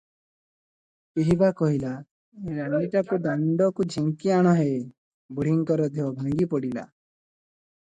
କେହି ବା କହିଲା "ଏ ରାଣ୍ଡିଟାକୁ ଦାଣ୍ଡକୁ ଝିଙ୍କି ଆଣ ହେ?" ବୁଢ଼ୀଙ୍କର ଦେହ ଭାଙ୍ଗିପଡ଼ିଲା ।